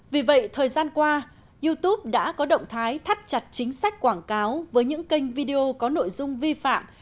vì vậy thời gian qua youtube đã có động thái thắt chặt chính sách quảng cáo với những kênh video có nội dung vi phạm